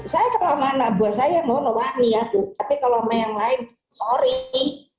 saya kalau anak buah saya mau melami tapi kalau mau yang lain sorry